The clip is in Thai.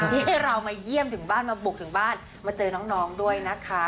ที่เรามาเยี่ยมถึงบ้านมาบุกถึงบ้านมาเจอน้องด้วยนะคะ